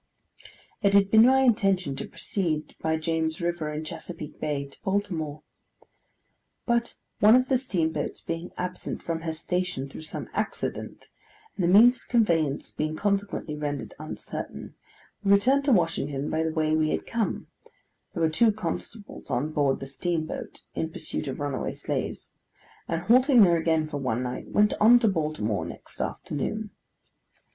It had been my intention to proceed by James River and Chesapeake Bay to Baltimore; but one of the steamboats being absent from her station through some accident, and the means of conveyance being consequently rendered uncertain, we returned to Washington by the way we had come (there were two constables on board the steamboat, in pursuit of runaway slaves), and halting there again for one night, went on to Baltimore next afternoon.